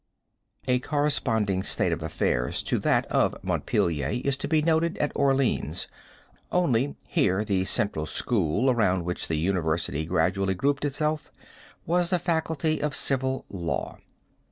A corresponding state of affairs to that of Montpelier is to be noted at Orleans, only here the central school, around which the university gradually grouped itself, was the Faculty of Civil Law.